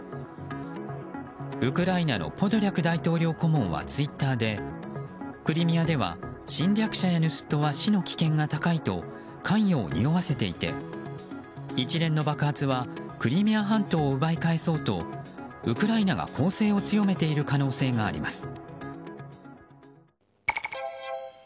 ウクライナのポドリャク大統領顧問はツイッターでクリミアでは、侵略者や盗人は死の危険が高いと関与をにおわせていて一連の爆発はクリミア半島を奪い返そうとウクライナが攻勢を強めている可能性があります。